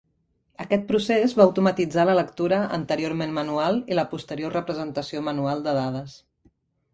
Aquest procés va automatitzar la lectura anteriorment manual i la posterior representació manual de dades.